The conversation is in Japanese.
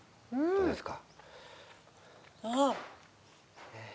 そうですか。